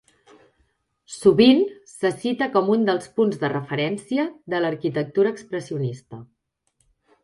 Sovint se cita com un dels punts de referència de l'arquitectura expressionista.